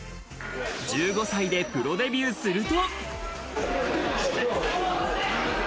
１５歳でプロデビューすると。